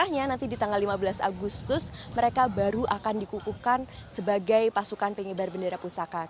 akhirnya nanti di tanggal lima belas agustus mereka baru akan dikukuhkan sebagai pasukan pengibar bendera pusaka